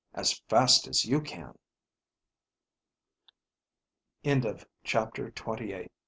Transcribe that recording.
As fast as you can." CHAPTER TWENTY NINE.